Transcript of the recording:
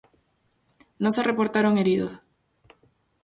No se reportaron heridos.